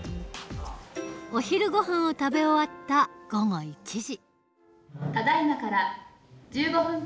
お昼ごはんを食べ終わった午後１時。